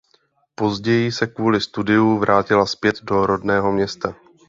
Později se kvůli studiu vrátila zpět do rodného města.